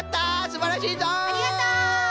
すばらしいぞい！